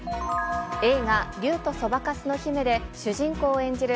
映画、竜とそばかすの姫で主人公を演じる